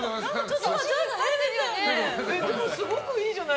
すごくいいじゃない。